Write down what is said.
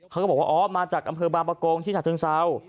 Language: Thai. เขาก็บอกว่าอ๋อมาจากอำเภอบางประกงที่ฉะเชิงเซา